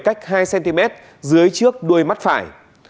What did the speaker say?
cách hai cm dưới trước đuôi mắt phải